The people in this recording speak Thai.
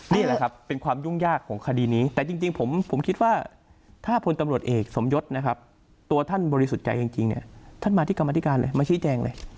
นี่แหละครับเป็นความยุ่งยากของคดีนี้แต่จริงผมคิดว่าถ้าพลตำรวจเอกสมยศนะครับตัวท่านบริสุทธิ์ใจจริงเนี่ยท่านมาที่กรรมธิการเลยมาชี้แจงเลย